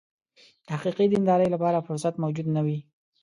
د حقیقي دیندارۍ لپاره فرصت موجود نه وي.